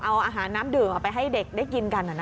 เอาอาหารน้ำดื่มออกไปให้เด็กได้กินกันเหรอนะครับ